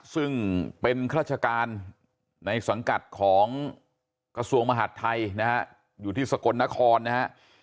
ซึ่งเป็นราชการในสังกัดของกระทรวงมหาดไทยนะฮะอยู่ที่สกลนครนะฮะ